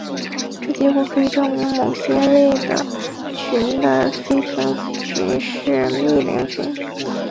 这结果可以证明某些类的群的菲廷子群是幂零群。